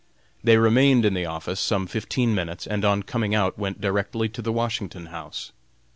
They remained in the office some fifteen minutes, and on coming out went directly to the Washington House.